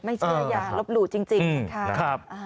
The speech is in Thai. ไม่เชื่ออย่ารบหลู่จริง